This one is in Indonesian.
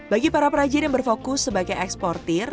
bagi para perajin yang berfokus sebagai eksportir